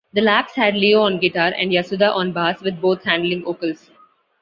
The Lapse had Leo on guitar and Yasuda on bass with both handling vocals.